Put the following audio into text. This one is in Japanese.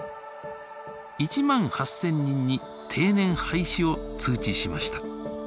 １万８，０００人に定年廃止を通知しました。